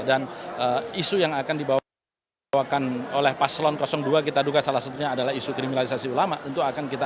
dan isu yang akan dibawakan oleh pasangan dua kita juga salah satunya adalah isu kriminalisasi ulama